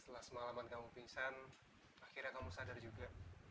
setelah semalaman kamu pingsan akhirnya kamu sadar juga